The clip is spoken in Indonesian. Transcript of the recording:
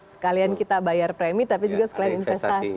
sekalian kita bayar premi tapi juga selain investasi